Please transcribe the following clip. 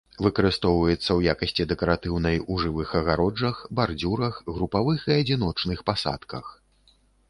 Выкарыстоўваецца ў якасці дэкаратыўнай у жывых агароджах, бардзюрах, групавых і адзіночных пасадках.